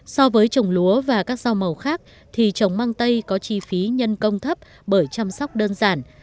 so với trồng lúa và các rau màu khác thì trồng mang tây có chi phí nhân công thấp bởi chăm sóc đơn giản